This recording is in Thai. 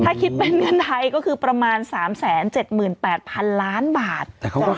ถ้าคิดเป็นเงินไทยก็คือประมาณ๓๗๘๐๐๐ล้านบาท